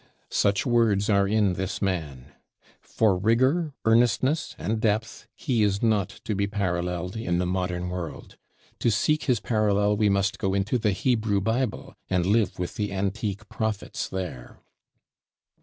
Such words are in this man. For rigor, earnestness, and depth, he is not to be paralleled in the modern world; to seek his parallel we must go into the Hebrew Bible, and live with the antique Prophets there.